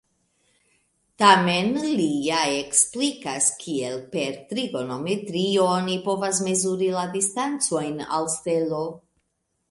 Tamen, li ja eksplikas, kiel per trigonometrio oni povas mezuri la distancojn al stelo.